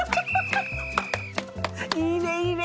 いいねいいね。